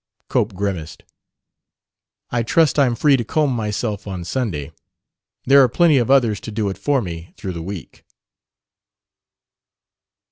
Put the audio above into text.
Cope grimaced. "I trust I'm free to comb myself on Sunday. There are plenty of others to do it for me through the week."